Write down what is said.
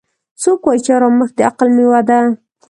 څوک وایي چې ارامښت د عقل میوه ده